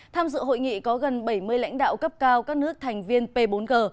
tham dự hội nghị có gần bảy mươi lãnh đạo cấp cao các nước thành viên p bốn g